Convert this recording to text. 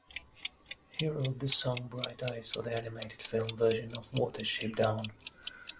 He wrote the song "Bright Eyes" for the animated film version of "Watership Down".